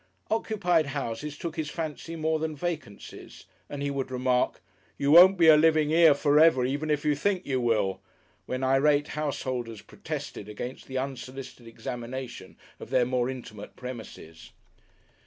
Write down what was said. Occupied houses took his fancy more than vacancies, and he would remark, "You won't be a livin' 'ere forever, even if you think you will," when irate householders protested against the unsolicited examination of their more intimate premises....